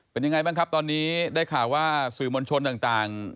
เป็นยังไงบ้างครับตอนนี้ได้ข่าวว่าสื่อมวลชนต่าง